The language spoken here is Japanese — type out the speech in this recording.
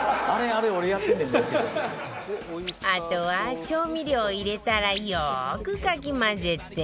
あとは調味料を入れたらよくかき混ぜて